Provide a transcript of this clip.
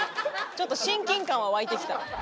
ちょっと親近感は湧いてきた。